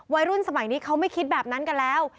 รุ่นสมัยนี้เขาไม่คิดแบบนั้นกันแล้ว